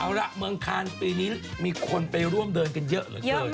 เอาละเมืองคารต์ปีนี้มีคนไปร่วมเทย์กันเยอะเหรอครับ